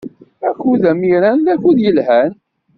Akud amiran d akud yelhan.